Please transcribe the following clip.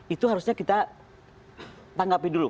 itu harusnya kita tanggapi dulu